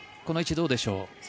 この位置どうでしょう。